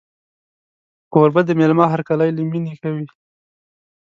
کوربه د مېلمه هرکلی له مینې کوي.